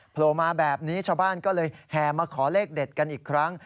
โผล่มาแบบนี้ชาวบ้านก็เลยแห่มาขอเลขเด็ดกันอีกครั้ง